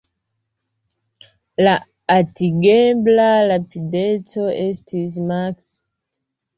La atingebla rapideco estis maks.